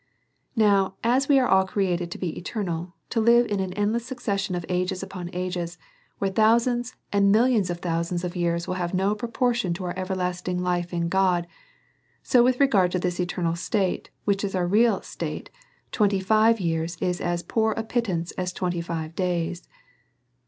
Now, as we are all created to be eternal, to live in an endless succession of ages upon ages, where thou sands, and. millions of thousands of years Avill have no proportion to our everlasting life in God ; so with re gard to this eternal state, which is our real state, twen ty five years is as poor a pittance as twenty five days.